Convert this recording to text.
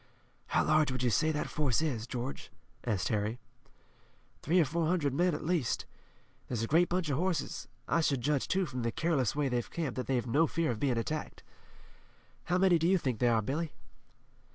"How large would you say that force is, George?" asked Harry. "Three or four hundred men at least. There's a great bunch of horses. I should judge, too, from the careless way they've camped, that they've no fear of being attacked. How many do you think they are, Billy?"